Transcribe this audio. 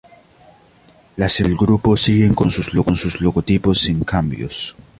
Las empresas del grupo siguen con sus logotipos sin cambios.